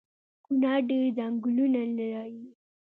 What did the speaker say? کونړ ډیر ځنګلونه لري